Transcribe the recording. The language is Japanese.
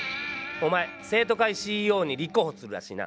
おまえ生徒会ＣＥＯに立候補するらしいな。